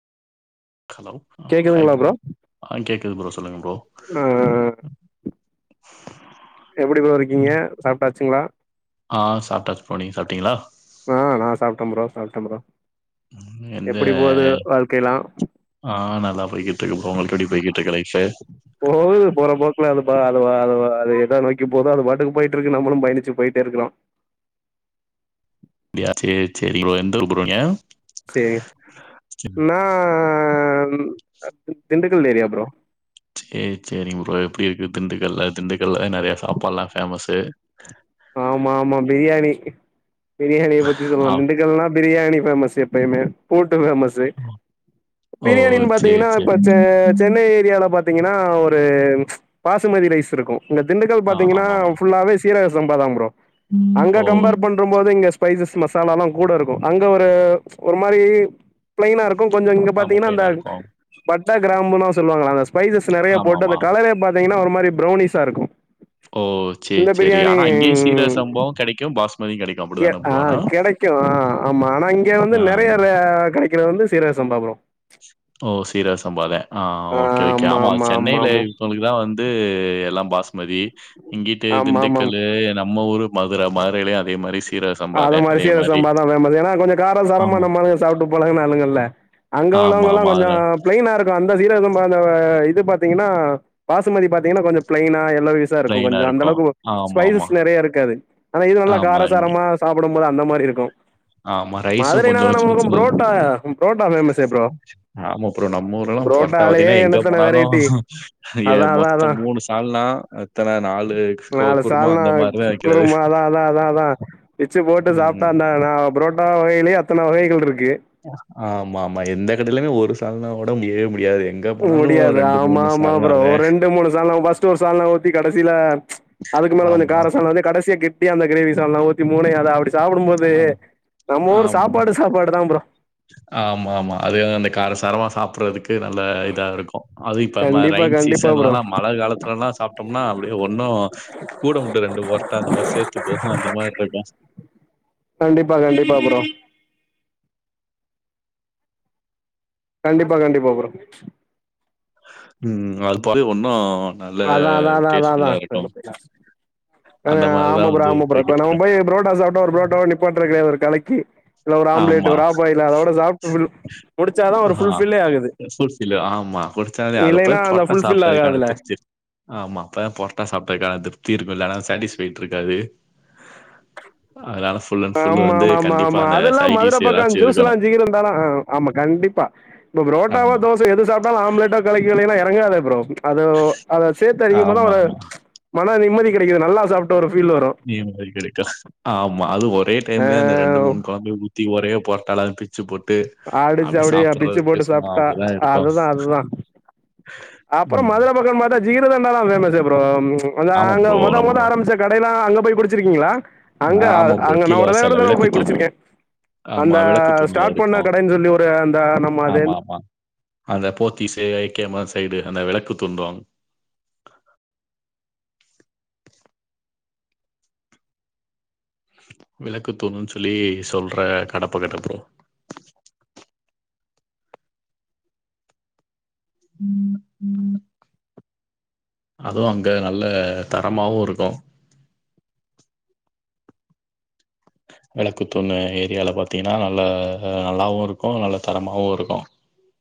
Hello hi bro ஆ கேக்குது bro சொல்லுங்க ப்ரோ ஆ எப்டி ப்ரோ இருக்கீங்க ம். சாப்ட்டாச்சுங்ளா ஆ சாப்ட்டாச்சு ப்ரோ நீங்க சாப்ட்டீங்களா ஆ நா சாப்ட்ட ப்ரோ சாப்ட்ட ப்ரோ ம் எந்த எப்டி போது வாழ்க்கைலா ஆ நல்லா போய்க்கிட்ருக்கு ப்ரோ உங்களுக்கு எப்டி போயிக்கிட்ருக்கு லைஃபு போகுது போற போக்குல அது பா அது வா அதுவா அது எத நோக்கி போதோ அது பாட்டுக்கு போயிட் ட்ருக்கு நம்மளு பயணிச்சி போய்டே இருக்குறோ அப்டியா சேர் சேரி ப்ரோ எந்தூர் ப்ரோ நீங்க சேரியா நான் திண்டுக்கல் ஏரியா ப்ரோ சேரி சேரிங் ப்ரோ எப்டி இருக்கு திண்டுக்கல்லா திண்டுக்கல்ல தா நெறைய சாப்பாட்லா ஃபேமஸ்ஸு ஆமா ஆமா பிரியாணி பிரியாணிய பத்தி ஆ சொல்லனு திண்டுக்கல்னா பிரியாணி ஃபேமஸு எப்பையுமே ஃப்ரூட்டு ஃபேமஸு ஓ பிரியாணின் சரி பாத்தீங்கனா சரி. இப்பச் செ சென்னை ஏரியால பாத் தீங்கனா ஒரு பாசுமதி ரைஸ் இருக்கு இந்த திண்டுக்கல் ஆ பாத்தீங்கனா ஆமாமா. ஃபுல்லாவே சீரகச சம்பாதா ப்ரோ அங்க ஓ கம்பேர் பண் ணும்போது இங்க ஸ்பைசஸ் மசாலாலா கூட இருக்கு அங்க ஒரு ஒரு மாரி பிளைனா இருக் கு கொஞ்ச இங்க ஆமா பாத்தீங்கனா ப்ளைனா அந்த இருக்கும். பட்ட கிராம்புனா சொல்லுவாங்கள அந்த ஸ்பைசஸ் நெறையா போட்டு ஆமாமா. அந்த கலரே பாத் தீங்கனா ஒரு மாரி பிரௌனிஷா இருக்கு ஓ சேர் இந்த சேரி பிரியாணி ஆனா இங்கயு சீரக சம்பாவு கெடைக்கு பாஸ்மதியு கெடைக் எ ஆ கெடைக்கு ஆ ஆமா ஆனா இங்க வந்து ஆ. நெறைய ர கெடைக்கிறது வந்து சீரகசம்பா ப்ரோ ஓ சீரகசம்பாதே ஆ ஓகே ஓகே ஆமா சென்னைல இருக்கவ்ங்ளுக் குலா வந்து எல்லா பாஸ்மதி இங்கிட்டு ஆமா ஆமா ஆமா திண்டுக்கல்லு நம்ம ஊரு மதுர மதுரைலயு அதே மாரிஸ் ஆ அது மாரி சீரகசம்பாதா வேணும்பாங்க ஏனா கொஞ்ச காரசாரமா ஆமா. நம்ம சாப்ட்டு பழகுன ஆளுங்கள்ல அங்க ஆமா, உள்ளவங்கலா ஆமா. கொஞ்ச அதுல பிளைனா இருக்கு அந்த சீரகசம்பா அந்த இது பாத்தீங்கனா பாசுமதி பாத்தீங்கனா கொஞ்ச பிளைனா எல்லாரு யூஸ் ஸா இருக்கு ப்ளைனா கொஞ்ச அந்த இருக்கும். அளவுக்கு ஆமாமா. ஸ்பைசஸ் நெறைய இருக்காது ஆனா இது நல்லா ஆமா. இங்க காரசாரமா சாப்டும்போது அந்த மாரி இருக்கு ஆமா. ரைஸும் மதுரை நாலே கொஞ்சம் நம்ம சின்ன பக்க சின்னதா. புரோட்டா புரோட்டா ஃபேமஸ்ஸே ப்ரோ ஆமா ப்ரோ நம்ம ஊர்லலா பொரட்டா புரோட்டாலயே பாத்தீனா எங்க எண்ணத்தன போனாலு வெரைட்டி ஏய் அதான் அதான் மொத்த அதான் மூணு சு சால்னா எத்தன நாலு நாலு சால்னா குருமா அதா அதா அதா அதா பிச்சு போட்டு ம். சாப்ட்டா அந்த நா புரோட் ட்டா வகைலே அத்தன வகைகள் இருக்கு ஆமாம்மா எந்த கடைலயு ஒரு சால்னாவோட முடியவே முடியாது எங் முடியாது ஆமாம்மா ப்ரோ ஒரு ரெண்டு மூணு சால்னா ஃபஸ்ட்டு ஒரு சால்னா ஊத்தி கடசில அதுக்கு மேல கொஞ்ச ஆமா. கார சால்னா வந்து கடசியா கெட் டியா அந்த கிரேவி சால்னா ஊத்தி மூணயு அத அப்டி சாப்டும்போது ஆமா. நம்ம ஊரு சாப்பாடு சாப்பாடு தா ப்ரோ ஆமாம்மா அது அந்த கார சாரமா சாப்புட்றதுக்கு து நல்ல இதா இருக்கு அது இப்ப ம கண்டிப்பா, ரயின் கண்டிப்பா ப்ரோ. சீசன்லலா மழ காலத்துலலா சாப்ட்டம்னா அப்டியே ஒன்னு கூடவந்து ரெண்டு பொறட்டா அந்த மாரி சேத்து போகு அந்த மாரி இருக்கு கண்டிப்பா கண்டிப்பா ப்ரோ கண்டிப்பா கண்டிப்பா ப்ரோ ம் அத் [unintelligible] ஒன்னு அதா அதா அதா அதா அதா ஆ அந்த மாரி ஆமா தான் ப்ரோ வந்து ஆமா ப்ரோ இப்போ நம்ம போய்க்கிட்டுருக்கேன். போயி புரோட்டா சாப்ட்டா ஒரு புரோட்டாவ நிப்பாற்றது கெடையாது ஒரு கலக்கி இல்ல ஒரு ஆம்லேட்டு ஆமா. ஒரு ஆஃப்பாயில அதோட சாப்ட்டு பில் ஆ குடிச்சில ஆமா குடிச்ச அது இல்லைன்னா அதப்போய் அந்த பொர்ட்டா ஃபுல்ஃபில் ஆகாதுல்ல. சாப்ட்டதுக்கானிருச்சு ஆமா அப்பதா பொரட்டா சாப்டதுக்கான திருப்திருக்குல அனா சேட்டிஸ்ஃபைட் ட்ருக்காது அதனால ஃபுல் அண்ட் ஃபுல்லு வந்து கண்டிப்பா அந்தச் ஆ மதுரப் பக்கோ ஜூஸ்லாஞ் ஜீகர்தன்டாலா ஆ ஆமா கண்டிப்பா இப்ப புரோட்டாவா ஆமா தோச் சு எது சாப்டாலு ஆம்லெட்டோ கலக்கிகிலையெலா எறங்காதே ப்ரோ அது அத சேத்து அடிக்கும் போதா ஆமா ஒரு ஆமா மன நிம்மதி கெடைக்கிது நல்லா சாப்ட ஒரு ஃபீல் வரு னிய மாரி கெடைக்கா ஆம்மா அது ஒரே ஆ டைம்லியே அந்த ரெண்டு மூன் கொழப்பி ஊத்தி ஒரே பொரட்டால அத பிச்சு போட்டு ஆடிச்சு அப்டி அப்டியே பிச்சு சாப்புட்றதுக்கு போட்டு சும்மா சாப்ட்டா அப்டிதா இருக்கு அதுதா அதுதா அப்றோ ம் மதுர பக்கம் பாத்தா ஜீகர்தண்டதா ஃபேமஸ்சே ப்ரோ அதா ஆமா அங்க ப்ரோ மொத மொத நம்ம ஆரம்பிச்ச கடயெலா அங்க போய் குடிச்சிருக்கீங்களா அங்க ஆமா ப்ரோ அங்க நா கீழ ஒரே ஒரு வாசல்ல தடவ விளக்கு போய் தூண் குடிச்சிருக்கே அந்த ஆமா விளக்கு தூண்ல ஸ்டார்ட் பண்ண இருக்கு கடைன் சொல்லி ஒரு அந்த நம்ம அது ஆமா எந் ஆமா அந்த போத்திஸ்சே ஐ கே மா சைடு அந்த வெளக்குத் துந்தோ விளக்குத் தூணுன் சொல்லி சொல்ற கடப் பக்கத்துல ப்ரோ ம் ம் அதுவு அங்க நல்ல தரமாவு இருக்கு விளக்குத்தூண ஏரியால பாத்திங்கனா நல்லா நல்லாவு இருக்கு நல்ல தரமாவு இருக்கு